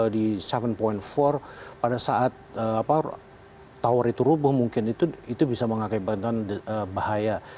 di tujuh empat pada saat tower itu rubuh mungkin itu bisa mengakibatkan bahaya